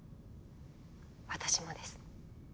私もです。